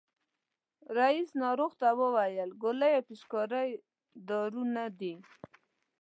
رئیس ناروغ ته وویل ګولۍ او پيچکاري دارو نه دي.